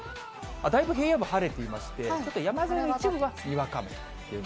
だいぶ平野部晴れていまして、ちょっと山沿いの一部がにわか雨という。